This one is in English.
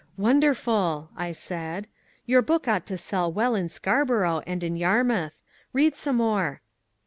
"Wonderful," I said. "Your book ought to sell well in Scarborough and in Yarmouth. Read some more."